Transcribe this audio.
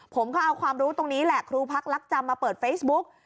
ผมก็เอาความรู้ตรงนี้แหละครูพักลักจำมาเปิดเฟซบุ๊ก